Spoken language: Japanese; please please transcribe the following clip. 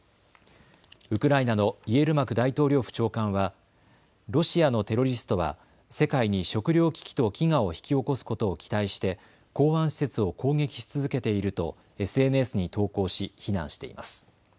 ウクライナのイエルマク大統領府長官はロシアのテロリストは世界に食料危機と飢餓を引き起こすことを期待して港湾施設を攻撃し続けているとＳＮＳに投稿し非難しています。